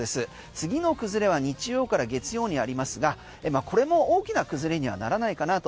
次の崩れは日曜から月曜にありますがこれも大きな崩れにはならないかなと。